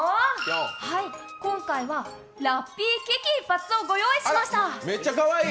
今回はラッピー危機一発をご用意しました。